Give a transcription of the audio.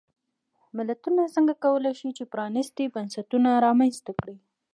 ملتونه څنګه کولای شي چې پرانیستي بنسټونه رامنځته کړي.